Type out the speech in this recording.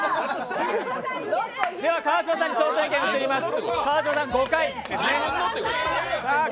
川島さんに挑戦権が移ります。